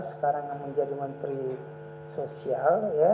sekarang menjadi menteri sosial